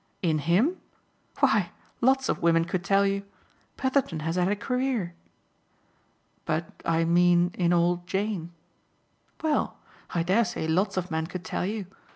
"In HIM? Why lots of women could tell you. Petherton has had a career." "But I mean in old Jane." "Well, I dare say lots of men could tell you.